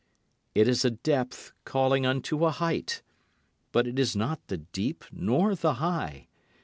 It is a depth calling unto a height, But it is not the deep nor the high.